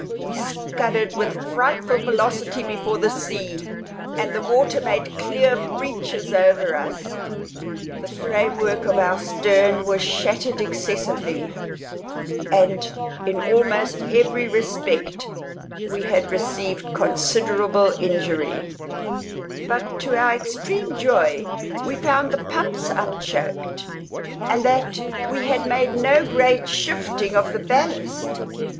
We scudded with frightful velocity before the sea, and the water made clear breaches over us. The frame work of our stern was shattered excessively, and, in almost every respect, we had received considerable injury; but to our extreme joy we found the pumps unchoked, and that we had made no great shifting of our ballast.